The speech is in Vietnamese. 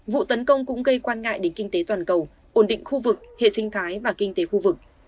vụ tấn công cũng gây quan ngại đến kinh tế toàn cầu ổn định khu vực hệ sinh thái và kinh tế khu vực